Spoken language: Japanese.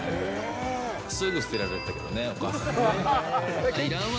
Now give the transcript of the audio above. すぐ捨てられちゃったけどね、お母さんにね。